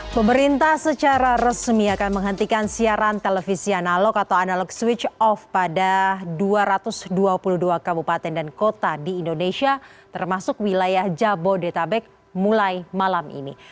pemerintah secara resmi akan menghentikan siaran televisi analog atau analog switch off pada dua ratus dua puluh dua kabupaten dan kota di indonesia termasuk wilayah jabodetabek mulai malam ini